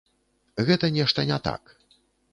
Гэта нешта не так.